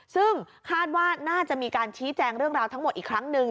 ซึ่งคาดว่าน่าจะมีการชี้แจงเรื่องราวทั้งหมดอีกครั้งหนึ่ง